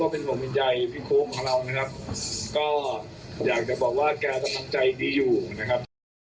เป็นห่วงเป็นใยพี่โค้กของเรานะครับก็อยากจะบอกว่าแกกำลังใจดีอยู่นะครับ